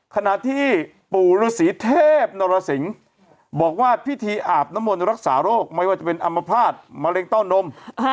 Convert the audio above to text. ขณะที่ปู่ฤษีเทพนรสิงศ์บอกว่าพิธีอาบน้ำมนต์รักษาโรคไม่ว่าจะเป็นอัมพาตมะเร็งเต้านม